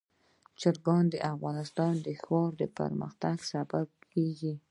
چرګان د افغانستان د ښاري پراختیا سبب کېږي.